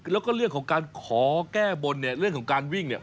แล้วก็เรื่องของการขอแก้บนเนี่ยเรื่องของการวิ่งเนี่ย